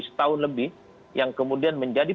setahun lebih yang kemudian menjadi